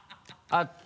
あった？